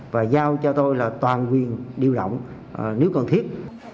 và giao cho tôi là toàn quyền điều động nếu cần thiết